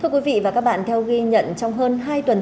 các chuyên gia nhận định